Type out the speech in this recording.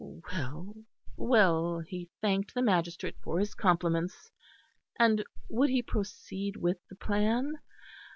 Well, well, he thanked the magistrate for his compliments, and would he proceed with the plan?